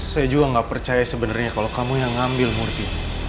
saya juga nggak percaya sebenarnya kalau kamu yang ngambil murti